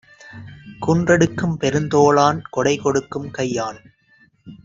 குன்றெடுக்கும் பெருந்தோளான் கொடைகொடுக்கும் கையான்!